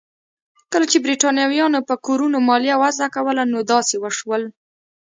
کله چې برېټانویانو په کورونو مالیه وضع کوله نو داسې وشول.